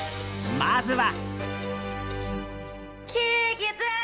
まずは。